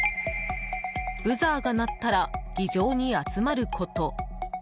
ブザーが鳴ったら議場に集まること。